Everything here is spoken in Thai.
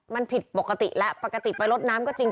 มันผิดปกติแล้วปกติไปลดน้ำก็จริง